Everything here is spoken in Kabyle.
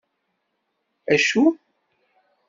Acu?